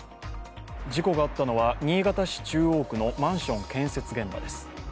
事故があったのは新潟市中央区のマンション建設現場です。